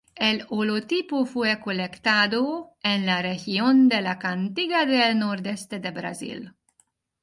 El holotipo fue colectado en la región de la Caatinga del nordeste de Brasil.